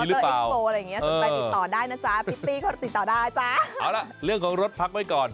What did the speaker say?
เอาล่ะเรื่องของรถพักไว้ก่อน